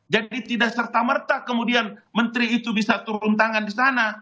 jadi tidak serta merta kemudian menteri itu bisa turun tangan di sana